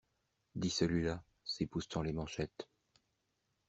Dit celui-là, s'époussetant les manchettes.